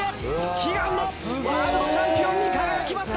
悲願のワールドチャンピオンに輝きました！